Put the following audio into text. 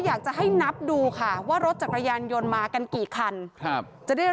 อยากจะให้นับดูค่ะว่ารถจักรยานยนต์มากันกี่คันครับจะได้